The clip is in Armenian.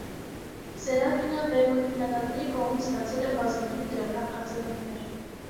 «Սերաֆինա» վեպը քննադատների կողմից ստացել է բազմաթիվ դրական արձագանքներ։